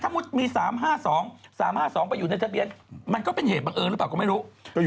มุติมี๓๕๒๓๕๒ไปอยู่ในทะเบียนมันก็เป็นเหตุบังเอิญหรือเปล่าก็ไม่รู้